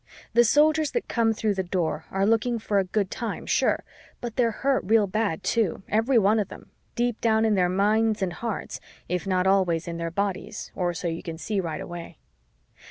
The Soldiers that come through the Door are looking for a good time, sure, but they're hurt real bad too, every one of them, deep down in their minds and hearts, if not always in their bodies or so you can see it right away.